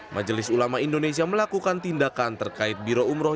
majelis ulama indonesia melakukan tindakan terkait biro umroh